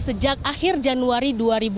sejak akhir januari dua ribu dua puluh